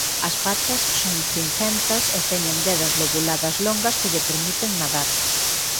As patas son cincentas e teñen dedas lobuladas longas que lle permiten nadar.